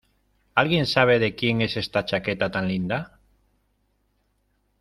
¿Alguien sabe de quién es esta chaqueta tan linda?